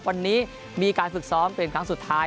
วันนี้มีการฝึกซ้อมเป็นครั้งสุดท้าย